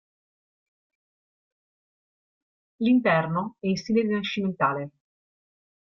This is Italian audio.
L'interno è in stile rinascimentale.